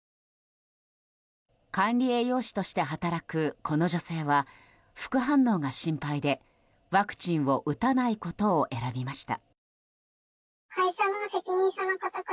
管理栄養士として働くこの女性は副反応が心配で、ワクチンを打たないことを選びました。